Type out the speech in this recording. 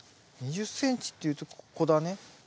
２０ｃｍっていうとここだね。